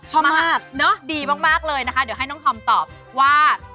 ชอบมากเนอะดีมากเลยนะคะเดี๋ยวให้น้องคอมตอบว่า